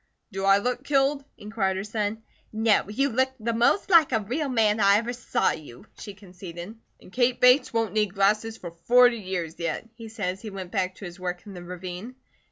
"Do I look killed?" inquired her son. "No. You look the most like a real man I ever saw you," she conceded. "And Kate Bates won't need glasses for forty years yet," he said as he went back to his work in the ravine.